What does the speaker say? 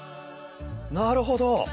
なるほど！